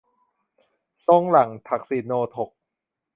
ทรงหลั่งทักษิโณทก